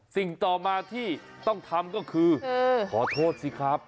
สิ่งต่อมาที่ต้องทำก็คือขอโทษสิครับ